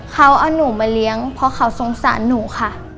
เขาเอาหนูมาเลี้ยงเพราะเขาสงสารหนูค่ะ